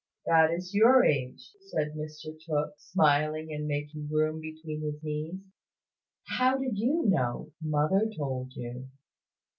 "That is your age," said Mr Tooke, smiling and making room between his knees. "How did you know? Mother told you."